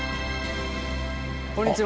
こんにちは。